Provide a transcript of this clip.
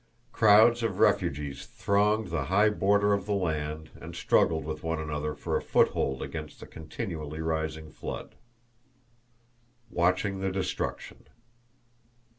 Crowds of refugees thronged the high border of the land and struggled with one another for a foothold against the continually rising flood. Watching the Destruction.